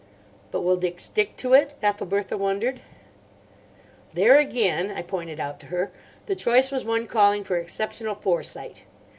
"But will Dick stick to it?" Ethelbertha wondered. "There, again," I pointed out to her, "the choice was one calling for exceptional foresight.